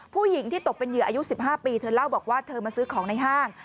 ผู้หญิงที่ตกเป็นเหยื่ออายุ๑๕ปีเธอเล่าบอกว่าเธอมาซื้อของในห้าง